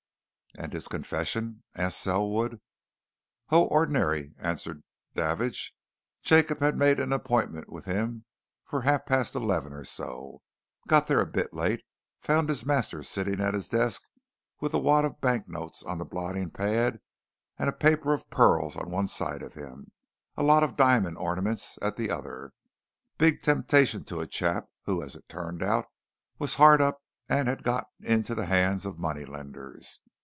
"And his confession?" asked Selwood. "Oh! ordinary," answered Davidge. "Jacob had made an appointment with him for half past eleven or so. Got there a bit late, found his master sitting at his desk with a wad of bank notes on the blotting pad, a paper of pearls on one side of him, a lot of diamond ornaments at the other big temptation to a chap, who, as it turns out, was hard up, and had got into the hands of money lenders.